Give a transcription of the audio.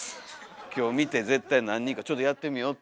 今日見て絶対何人かちょっとやってみようって。